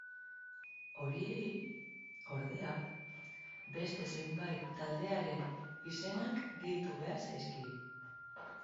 Horiei, ordea, beste zenbait talderen izenak gehitu behar zaizkie.